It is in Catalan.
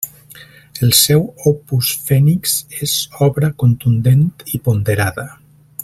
El seu Opus Phoenix és obra contundent i ponderada.